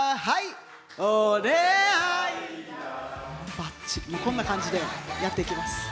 バッチリ、こんな感じでやっていきます。